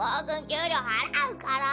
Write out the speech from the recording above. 君給料払うから。